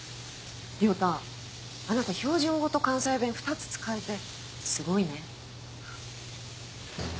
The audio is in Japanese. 亮太あなた標準語と関西弁２つ使えてすごいね。